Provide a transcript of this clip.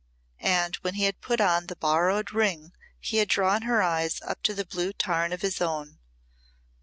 And when he had put on the borrowed ring he had drawn her eyes up to the blue tarn of his own.